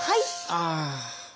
ああ。